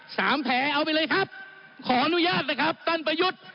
แผลเอาไปเลยครับขออนุญาตเลยครับท่านประยุทธ์